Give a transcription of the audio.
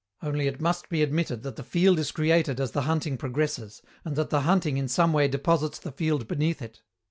Only it must be admitted that the field is created as the hunting progresses, and that the hunting in some way deposits the field beneath it.